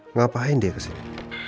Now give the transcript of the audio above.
ngapain dia kesini